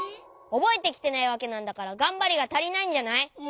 おぼえてきてないわけなんだからがんばりがたりないんじゃない？